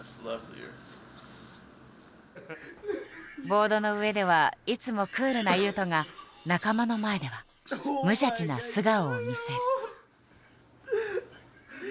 ボードの上ではいつもクールな雄斗が仲間の前では無邪気な素顔を見せる。